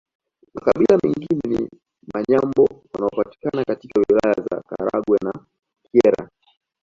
Makabila mengine ni Wanyambo wanaopatikana katika Wilaya za Karagwe na Kyerwa